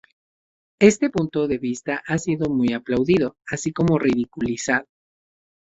Este punto de vista ha sido muy aplaudido, así como ridiculizado.